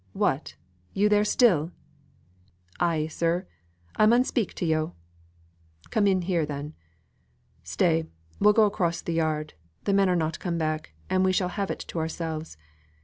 "What! you there still!" "Ay, sir, I mun speak to yo'." "Come in here, then. Stay, we'll go across the yard; the men are not come back, and we shall have it to ourselves.